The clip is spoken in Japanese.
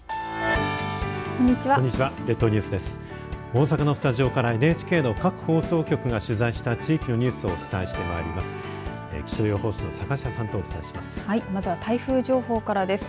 大阪のスタジオからＮＨＫの各放送局が取材した地域のニュースをお伝えしてまいります。